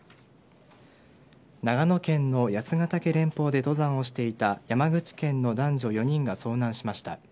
長野県の八ヶ岳連峰で登山をしていた山口県の男女４人が遭難しました。